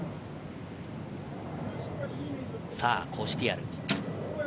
さぁ、コシュティアル。